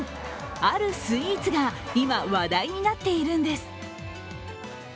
あるスイーツが今、話題になっているんです。